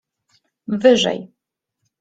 wyżej!